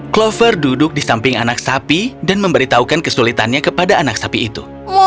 clover duduk di samping anak sapi dan memberitahukan kesulitannya kepada anak sapi itu